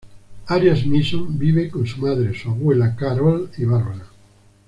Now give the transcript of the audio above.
Arias-Misson vive con su madre, su abuela, Carole y Barbara.